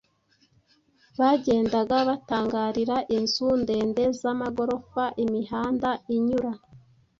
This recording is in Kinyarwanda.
bagendaga batangarira inzu ndende z’amagorofa, imihanda inyura